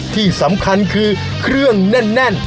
ที่สำคัญคือเครื่องแน่น